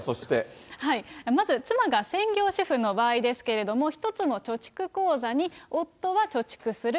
まず、妻が専業主婦の場合ですけれども、１つの貯蓄口座に夫は貯蓄する、